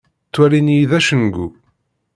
Ttwalin-iyi d acengu.